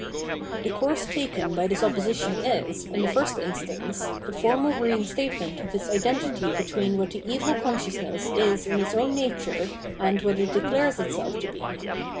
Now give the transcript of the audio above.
The course taken by this opposition is, in the first instance, the formal reinstatement of the identity be tween what the evil consciousness is in its own nature and what it declares itself to be.